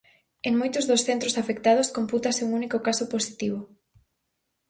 En moitos dos centros afectados compútase un único caso positivo.